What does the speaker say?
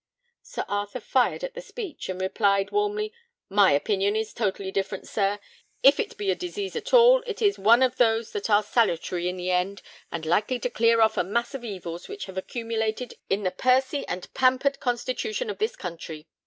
Sir Arthur fired at the speech, and replied, warmly, "My opinion is totally different, sir. If it be a disease at all, it is one of those that are salutary in the end, and likely to clear off a mass of evils which have accumulated in the pursy and pampered constitution of this country.